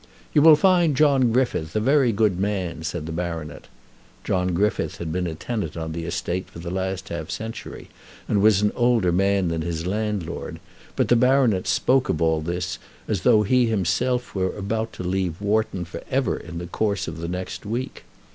"You will find John Griffith a very good man," said the baronet. John Griffith had been a tenant on the estate for the last half century, and was an older man than his landlord; but the baronet spoke of all this as though he himself were about to leave Wharton for ever in the course of the next week.